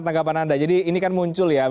tanggapan anda jadi ini kan muncul ya